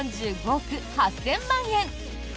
４５億８０００万円。